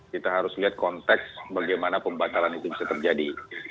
kita harus lihat konteks bagaimana pembatalan itu bisa terjadi